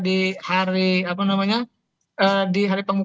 di hari pembukaan suara tanggal empat belas februari yang lalu